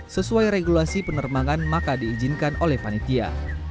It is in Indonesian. sesuai regulasi penerbangan maka diizinkan oleh panitia